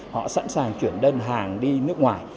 họ sẵn sàng chuyển đơn hàng đi nước ngoài